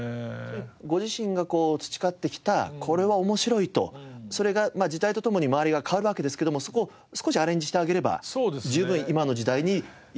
ご自身が培ってきたこれは面白いとそれが時代とともに周りが変わるわけですけどもそこを少しアレンジしてあげれば十分今の時代にやっていける。